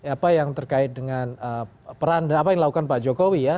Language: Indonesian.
apa yang terkait dengan peran apa yang dilakukan pak jokowi ya